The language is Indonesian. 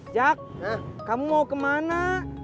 jak kamu mau kemana